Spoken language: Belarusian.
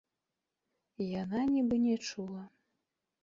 Яна нібы не чула.